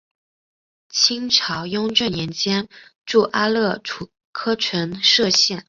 清朝雍正年间筑阿勒楚喀城设县。